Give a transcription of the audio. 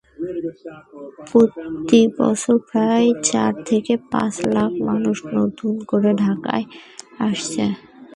প্রতিবছর প্রায় চার থেকে পাঁচ লাখ মানুষ নতুন করে ঢাকায় আসছে।